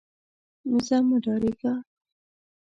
ځه مه ډارېږه.